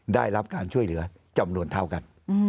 ได้รับการช่วยเหลือจำนวนเท่ากัน